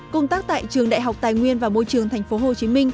công tác tại trường đại học tài nguyên và môi trường tp hcm